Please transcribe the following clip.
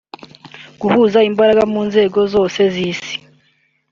guhuza imbaraga mu nzego zose z’isi